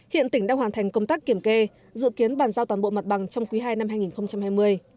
hiện tỉnh đang hoàn thành công tác kiểm kê dự kiến bàn giao toàn bộ mặt bằng trong quý ii năm hai nghìn hai mươi